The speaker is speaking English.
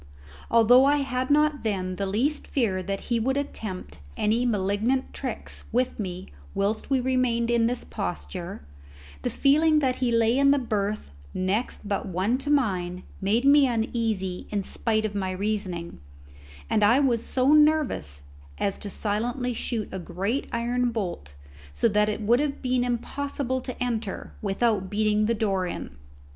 Although I had not then the least fear that he would attempt any malignant tricks with me whilst we remained in this posture, the feeling that he lay in the berth next but one to mine made me uneasy in spite of my reasoning; and I was so nervous as to silently shoot a great iron bolt, so that it would have been impossible to enter without beating the door in.